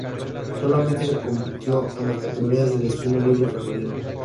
Solamente se compitió en las categorías del estilo libre femenino.